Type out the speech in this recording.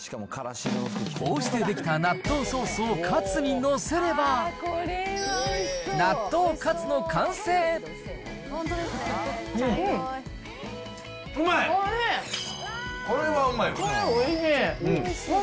こうして出来た納豆ソースをカツに載せれば、納豆カツの完成うん。